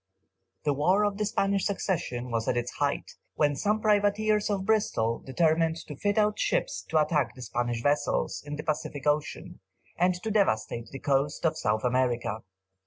The war of the Spanish succession was at its height, when some privateers of Bristol determined to fit out ships to attack the Spanish vessels, in the Pacific Ocean, and to devastate the coasts of South America.